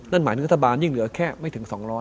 นั่นหมายถึงรัฐบาลยิ่งเหลือแค่ไม่ถึง๒๐๐